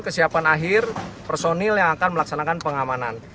kesiapan akhir personil yang akan melaksanakan pengamanan